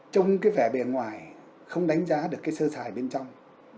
trong cái vẻ bề ngoài không đánh giá được cái sơ sài bên trong